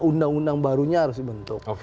undang undang barunya harus dibentuk